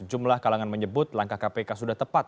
jumlah kalangan menyebut langkah kpk sudah tepat